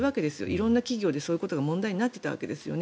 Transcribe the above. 色んな企業でそういうことが問題になっていたわけですよね。